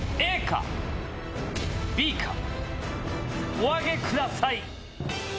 お挙げください！